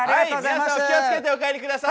皆さんお気をつけてお帰り下さい。